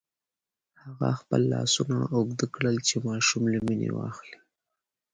هغه خپل لاسونه اوږده کړل چې ماشوم له مينې واخلي.